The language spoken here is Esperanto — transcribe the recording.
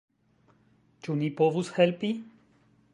Ĉu ni povus helpi?